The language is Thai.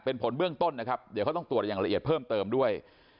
เป็นผลเบื้องต้นนะครับเดี๋ยวเขาต้องตรวจอย่างละเอียดเพิ่มเติมด้วย